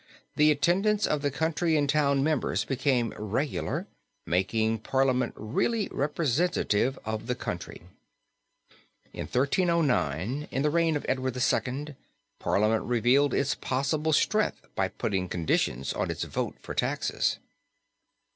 the attendance of the county and town members became regular, making Parliament really representative of the country. In 1309, in the reign of Edward II., Parliament revealed its possible strength by putting conditions on its vote for taxes.